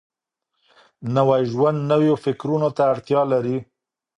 نوی ژوند نويو فکرونو ته اړتيا لري.